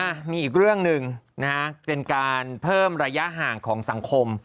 อ่ะมีอีกเรื่องหนึ่งนะฮะเป็นการเพิ่มระยะห่างของสังคม